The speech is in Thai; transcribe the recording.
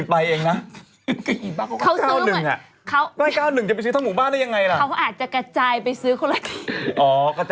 ได้ยินว่าภรรยาทีแรก